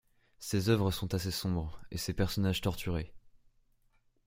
Ces œuvres sont assez sombres et ses personnages torturés.